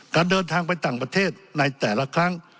การเดินทางไปต่างประเทศในแต่ละครั้ง